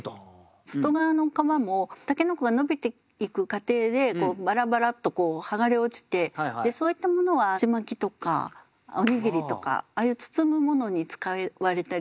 外側の皮も筍が伸びていく過程でバラバラッと剥がれ落ちてそういったものはちまきとかおにぎりとかああいう包むものに使われたりします。